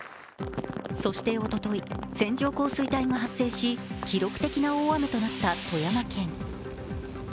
そして、おととい線状降水帯が発生し記録的な大雨となった富山県。